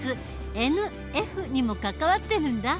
「ＮＦ」にも関わってるんだ。